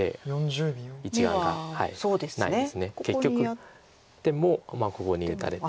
やってもここに打たれて。